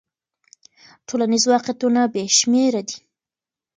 ټولنیز واقعیتونه بې شمېره دي.